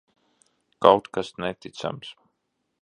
Kaut kas neticams.